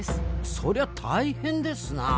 そりゃ大変ですなあ。